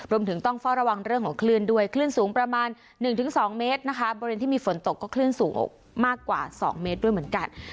รวมถึงต้องเฝ้าระวังเรื่องของคลื่นด้วยคลื่นสูงประมาณ๑๒เมตรนะคะบริเวณที่มีฝนตกก็คลื่นสูงมากกว่า๒เมตรด้วยเหมือนกัน